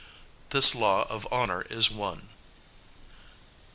This law of honour is one."